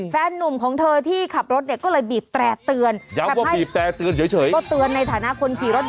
แฟนหนุ่มของเธอที่ขับรถเนี่ยก็เลยบีบแต่อ่ะเตือนยมว่ามีแปดเตือนเดียวเฉยเตือนในฐานะคุณขี่รถ